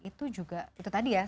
itu juga itu tadi ya